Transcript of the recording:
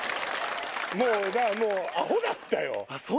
もうアホだったよ。